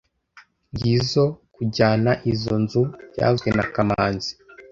Ngizoe kujyana izoi nzu byavuzwe na kamanzi